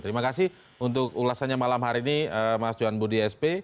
terima kasih untuk ulasannya malam hari ini mas johan budi sp